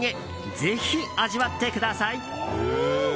ぜひ味わってください。